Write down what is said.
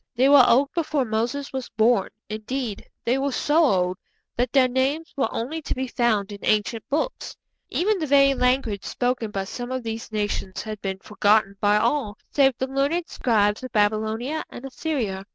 They were old before Moses was born; indeed, they were so old that their names were only to be found in ancient books; even the very language spoken by some of these nations had been forgotten by all save the learned scribes of Babylonia and Assyria.